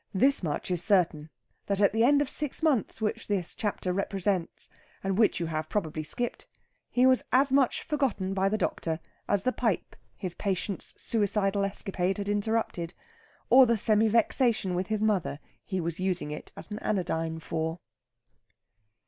This much is certain, that at the end of six months which this chapter represents, and which you have probably skipped, he was as much forgotten by the doctor as the pipe his patient's suicidal escapade had interrupted, or the semi vexation with his mother he was using it as an anodyne for.